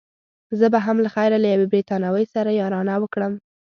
زه به هم له خیره له یوې بریتانوۍ سره یارانه وکړم.